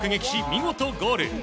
見事ゴール！